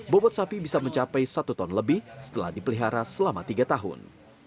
bobot sapi bisa mencapai satu ton lebih setelah dipelihara selama tiga tahun